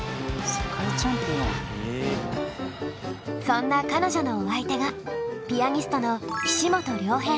そんな彼女のお相手がピアニストのへ。